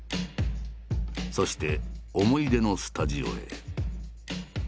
そして思い出のスタジオへ。